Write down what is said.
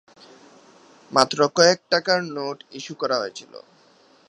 মাত্র কয়েক টাকার নোট ইস্যু করা হয়েছিল।